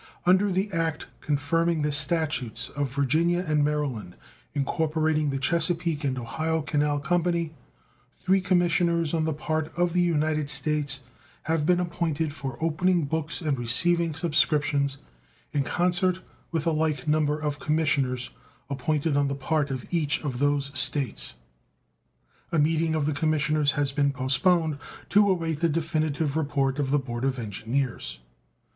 Under the act confirming the statutes of Virginia and Maryland incorporating the Chesapeake and Ohio Canal Company, three commissioners on the part of the United States have been appointed for opening books and receiving subscriptions, in concert with a like number of commissioners appointed on the part of each of those States. A meeting of the commissioners has been postponed, to await the definitive report of the board of engineers.